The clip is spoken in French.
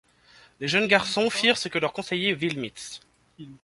Les jeunes garçons firent ce que leur conseillait Will Mitz.